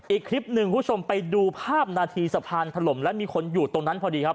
อีกคลิปหนึ่งคุณผู้ชมไปดูภาพนาทีสะพานถล่มและมีคนอยู่ตรงนั้นพอดีครับ